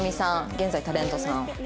現在タレントさん。